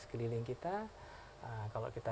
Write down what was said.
sekeliling kita kalau kita